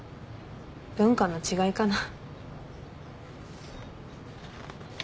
文化の違いかな。